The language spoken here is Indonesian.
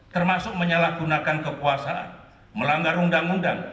termasuk menyalahgunakan kekuasaan melanggar undang undang